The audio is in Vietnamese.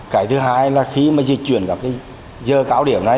cái thứ hai là khi mà dịch chuyển vào cái giờ cao điểm này